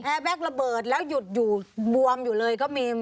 แบ็คระเบิดแล้วหยุดอยู่บวมอยู่เลยก็มี